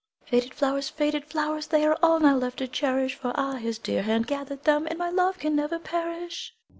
Faded flowers, faded flowers, They are all now left to cherish; For ah, his dear hand gathered them, And my love can never perish.